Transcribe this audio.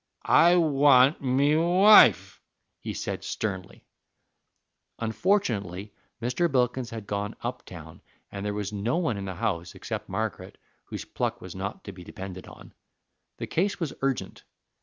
"I want me wife," he said sternly. Unfortunately, Mr. Bilkins had gone uptown, and there was no one in the house except Margaret, whose pluck was not to be depended on. The case was urgent.